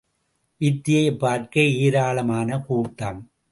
வித்தையைப் பார்க்க ஏராளமான கூட்டம்.